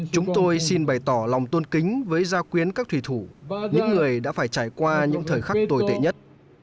chúng tôi xin bày tỏ lòng tôn kính với gia quyến các thủy thủ những người đã phải trải qua những thời khắc tồi tệ nhất